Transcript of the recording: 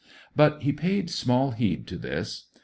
But he paid small heed to this.